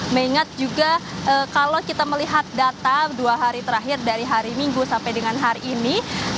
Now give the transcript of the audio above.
mengingat juga kalau kita melihat data dua hari terakhir dari hari minggu sampai dengan hari ini